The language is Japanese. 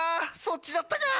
そっちだったか！